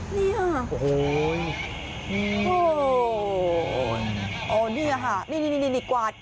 นี่ค่ะโอ้โหนี่ค่ะนี่นี่กวาด